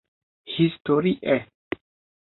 Historie